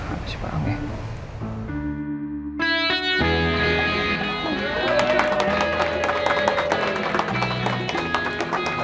apa sih paangnya